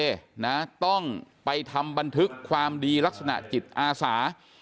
ได้สั่งให้ในเอต้องไปทำบันทึกความดีลักษณะจิตอาสา